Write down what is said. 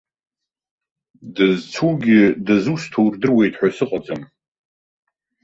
Дызцугьы дызусҭоу рдыруеит ҳәа сыҟаӡам.